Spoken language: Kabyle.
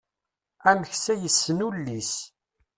Ameksa yessen ulli-s.